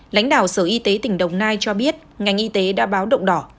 lãnh đạo sở y tế tỉnh đồng nai cho biết ngành y tế đã báo động đỏ